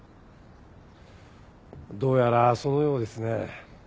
どうやらそのようですね。